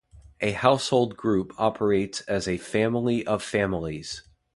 A household group operates as a 'family of families'.